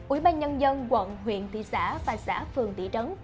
ủy ban nhân dân quận huyện thị xã và xã phường tỷ trấn